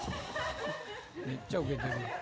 めっちゃウケてるやん。